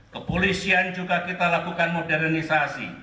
kepolisian juga kita lakukan modernisasi